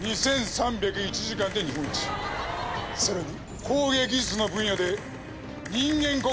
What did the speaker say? さらに。